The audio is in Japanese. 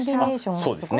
そうですね。